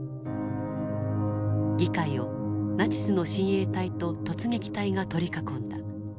議会をナチスの親衛隊と突撃隊が取り囲んだ。